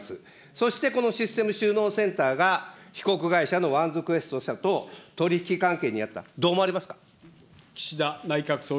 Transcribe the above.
そして、このシステム収納センターが被告会社のワンズクエスト社と取り引き関係にあった、どう思われますか。